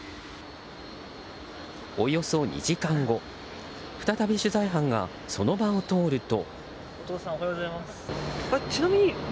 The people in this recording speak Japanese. およそ２時間後再び取材班がその場を通ると。